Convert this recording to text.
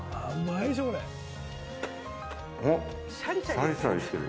シャリシャリしている。